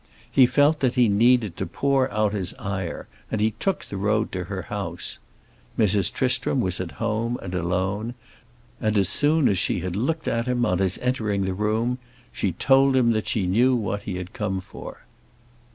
He felt that he needed to pour out his ire and he took the road to her house. Mrs. Tristram was at home and alone, and as soon as she had looked at him, on his entering the room, she told him that she knew what he had come for.